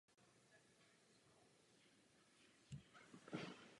K Hondurasu patří několik menších ostrovů.